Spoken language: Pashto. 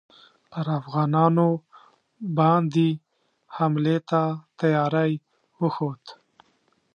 پر افغانانو باندي حملې ته تیاری وښود.